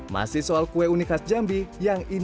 masih soal kue unik khas jambi